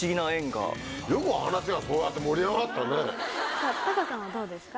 さぁタカさんはどうですか？